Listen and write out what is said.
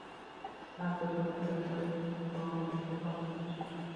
Taxt uchun kurashlar botqog‘iga botgan.